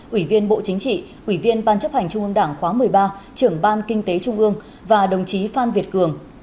ủy viên bộ chính trị ủy viên ban chấp hành trung ương đảng khóa một mươi ba trưởng ban kinh tế trung ương và đồng chí phan việt cường